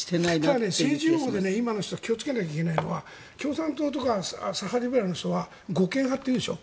ただ、政治用語で今の人たちは気をつけなければいけないのは共産党とか左派リベラルの人は護憲だというでしょ。